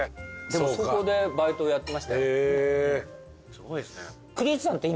すごいですね。